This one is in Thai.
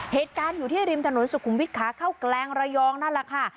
เหตุการณ์อยู่ที่ริมถนนสุขุมวิทย์ขาเข้าแกลงระยองนั่นแหละค่ะ